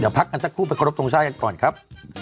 เดี๋ยวพักกันสักครู่ไปครบตรงช่างกันก่อนครับ